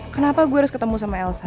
kenapa gue harus ketemu sama elsa